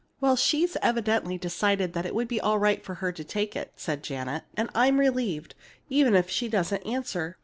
"Well, she's evidently decided that it would be all right for her to take it," said Janet; "and I'm relieved, even if she doesn't answer.